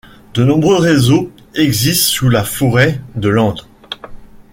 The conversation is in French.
De nombreux réseaux existent sous la forêt de Lente.